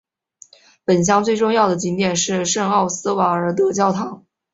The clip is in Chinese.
本乡最重要的景点是圣奥斯瓦尔德教堂。